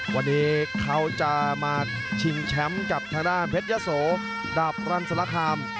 วันนี้เขาจะมาชิงแชมป์กับทางด้านเพชรยะโสดับรันสลคาม